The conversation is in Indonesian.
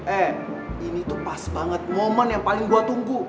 eh ini tuh pas banget momen yang paling gue tunggu